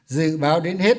dự báo đến hết